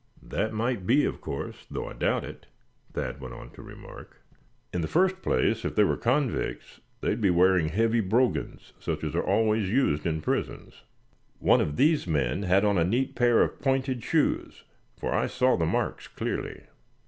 "That might be, of course, though I doubt it," Thad went on to remark. "In the first place, if they were convicts they would be wearing heavy brogans, such as are always used in prisons. One of these men had on a neat pair of pointed shoes, for I saw the marks clearly.